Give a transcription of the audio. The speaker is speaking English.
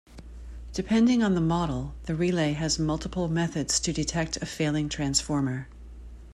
Depending on the model, the relay has multiple methods to detect a failing transformer.